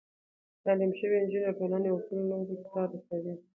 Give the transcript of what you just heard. تعليم شوې نجونې د ټولنې اصول نورو ته رسوي.